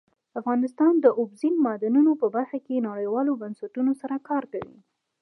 افغانستان د اوبزین معدنونه په برخه کې نړیوالو بنسټونو سره کار کوي.